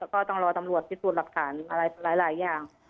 ก็ต้องรอตำรวจพิสูจน์หลักฐานอะไรหลายอย่าง